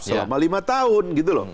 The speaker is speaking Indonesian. selama lima tahun